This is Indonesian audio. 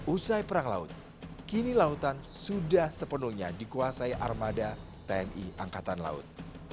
usai perang laut kini lautan sudah sepenuhnya dikuasai armada tni angkatan laut